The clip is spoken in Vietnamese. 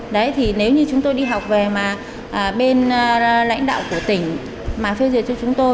đấy thì nếu như chúng tôi đi học về mà bên lãnh đạo của tỉnh mà phê duyệt cho chúng tôi